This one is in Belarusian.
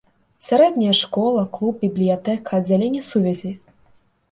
Сярэдняя школа, клуб, бібліятэка, аддзяленне сувязі.